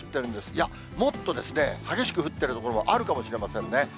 いや、もっと激しく降ってる所もあるかもしれませんね。